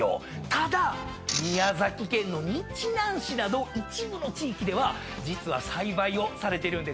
ただ宮崎県の日南市など一部の地域では実は栽培をされてるんですよね。